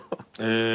え！